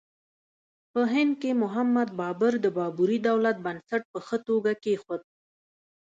په هند کې محمد بابر د بابري دولت بنسټ په ښه توګه کېښود.